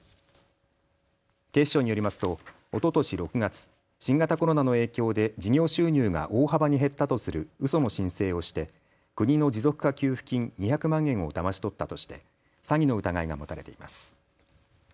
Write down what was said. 警視庁によりますとおととし６月、新型コロナの影響で事業収入が大幅に減ったとするうその申請をして国の持続化給付金２００万円をだまし取ったとして詐欺の疑いが持たれています。